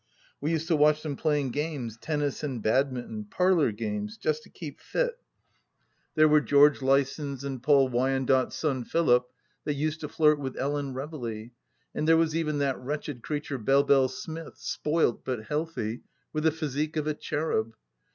We used to watch them playing games, tennis and badminton— parlour games, just to keep fit. ... There were 160 THE LAST DITCH George Lysons and Paul Wyandotte's son Philip that used to flirt with Ellen Reveley; and there was even that wretched creature Belle Belle Smith, spoilt but healthy, with the physique of a cherub.